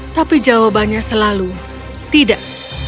tapi jawabannya selalu tidak